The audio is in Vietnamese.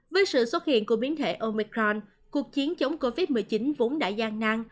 với sự xuất hiện của biến thể omicron cuộc chiến chống covid một mươi chín vốn đã gian nang